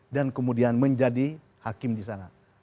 dan kemudian menjadi hakim di sana